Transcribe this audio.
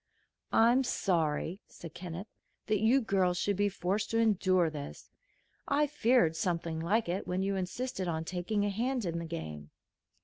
"I'm sorry," said Kenneth, "that you girls should be forced to endure this. I feared something like it when you insisted on taking a hand in the game."